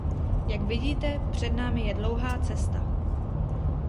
Jak vidíte, před námi je dlouhá cesta.